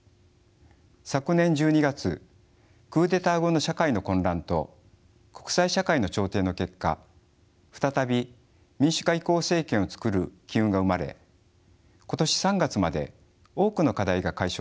昨年１２月クーデター後の社会の混乱と国際社会の調停の結果再び民主化移行政権を作る機運が生まれ今年３月まで多くの課題が解消されました。